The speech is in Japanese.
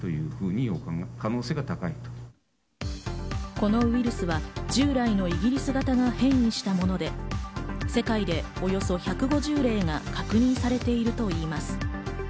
このウイルスは、従来のイギリス型が変異したもので、世界でおよそ１５０例が確認されているといいます。